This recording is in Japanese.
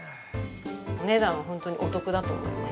お値段は本当にお得だと思います。